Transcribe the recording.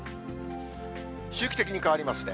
周期的に変わりますね。